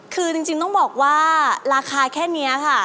คือจริงต้องบอกว่าราคาแค่นี้ค่ะ